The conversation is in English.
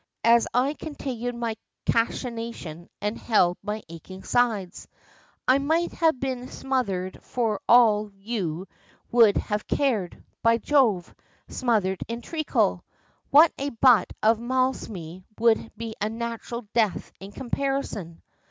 as I continued my cachination and held my aching sides, "I might have been smothered for all you would have cared. By Jove! smothered in treacle! Why a butt of Malmsey would be a natural death in comparison."